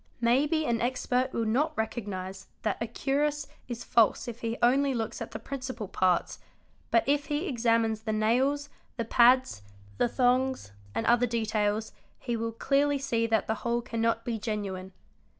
May be an expert will not recognise that a cuirass is false if he only looks at the principal parts, but if he exa mines the nails, the pads, the thongs, and other details, he will clearly see that the whole cannot be genuine.